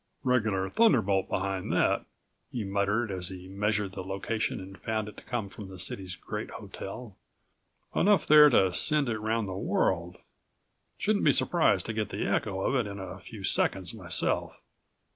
"Regular thunderbolt behind that!" he muttered as he measured the location and found it to come from the city's great hotel. "Enough there to send it round the world. Shouldn't be surprised to get the echo of it in a few seconds myself.